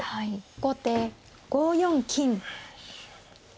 後手５四金。